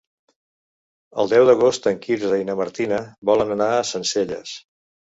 El deu d'agost en Quirze i na Martina volen anar a Sencelles.